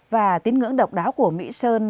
và tín ngưỡng độc đáo của mỹ sơn